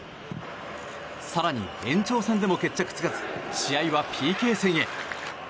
更に、延長戦でも決着つかず試合はＰＫ戦へ。